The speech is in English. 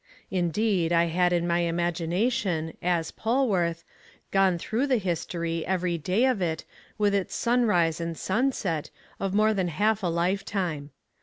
Indeed, I had in my imagination, as Polwarth, gone through the history, every day of it, with its sunrise and sunset, of more than half a lifetime.